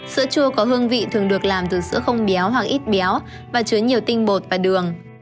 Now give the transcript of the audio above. sữa chua có hương vị thường được làm từ sữa không béo hoặc ít béo và chứa nhiều tinh bột và đường